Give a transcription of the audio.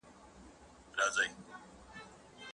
دا ناځوانه بيا هـغې